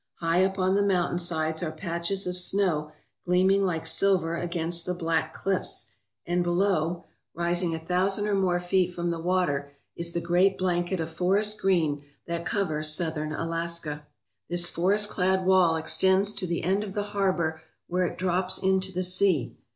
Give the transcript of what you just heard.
High up on the mountainsides are patches of snow gleaming like silver against the black cliffs, and below, rising a 251 ALASKA OUR NORTHERN WONDERLAND thousand or more feet from the water, is the great blanket of forest green that covers southern Alaska. This forest clad wall extends to the end of the harbour where it drops into the sea.